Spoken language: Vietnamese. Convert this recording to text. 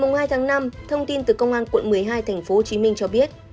ngày hai tháng năm thông tin từ công an quận một mươi hai tp hcm cho biết